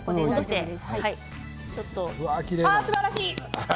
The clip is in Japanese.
すばらしい。